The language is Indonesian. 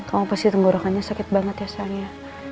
tau gak pasti tenggorokannya sakit banget ya sang ya